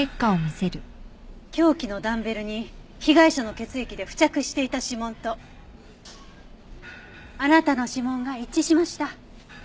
凶器のダンベルに被害者の血液で付着していた指紋とあなたの指紋が一致しました。